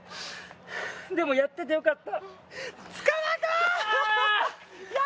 でも、やっててよかった。